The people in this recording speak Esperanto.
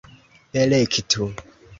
elektu